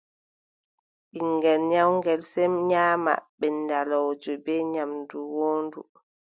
Ɓiŋngel nyawngel , sey nyaama ɓenndalooje bee nyaamdu woondu.